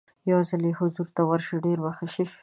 یو ځل یې حضور ته ورشئ ډېر به ښه شي.